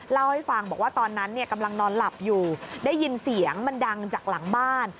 เล่าให้ฟังบอกว่าตอนนั้นเนี่ยกำลังนอนหลับอยู่ได้ยินเสียงมันดังจากหลังบ้าน